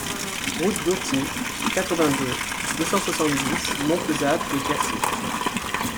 Route d'Auty, quatre-vingt-deux, deux cent soixante-dix Montpezat-de-Quercy